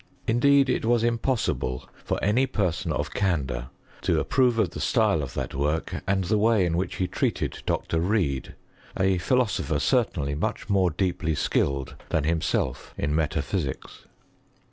Indeed, it was impossible ioT any person of candour to approve of the style of that work, and the way in which he treated Dr. Reidy a philosopher certainly much mote deeply skilled than himself in metaphysics.